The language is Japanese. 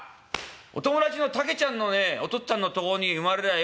お友達のタケちゃんのねお父っつぁんのとこに生まれりゃよかったよ。